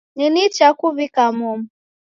Ni nicha kuw'ika momu.